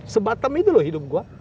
sebatam itu loh hidup gue